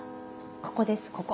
ここですここ。